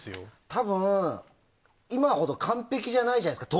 多分、今ほど完璧じゃないですか。